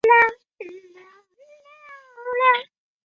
我才知道水没倒完